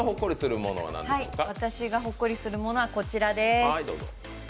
私がほっこりするものはこちらです。